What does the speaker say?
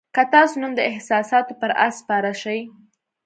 که تاسو نن د احساساتو پر آس سپاره شئ.